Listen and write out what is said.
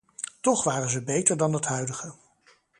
Toch waren ze beter dan het huidige.